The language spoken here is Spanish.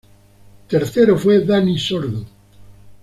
Tercero fue Dani Sordo.